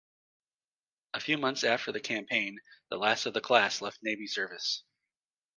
A few months after the campaign, the last of the class left Navy service.